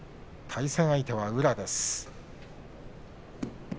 対戦相手は宇良です。